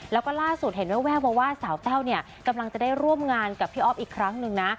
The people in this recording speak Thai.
แล้วก็ล่าสุดเห็นแววมาว่าสาวแต้วเนี่ยกำลังจะได้ร่วมงานกับพี่อ๊อฟอีกครั้งหนึ่งนะ